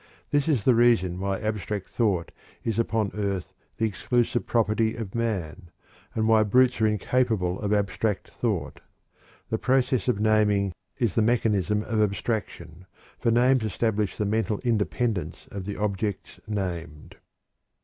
This is the reason why abstract thought is upon earth the exclusive property of man, and why brutes are incapable of abstract thought. The process of naming is the mechanism of abstraction, for names establish the mental independence of the objects named."